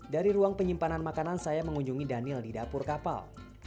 dari ruang penyimpanan makanan saya mengunjungi daniel di dapur kapal